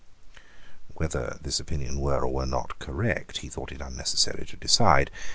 Whether this opinion were or were not correct, he thought it unnecessary to decide.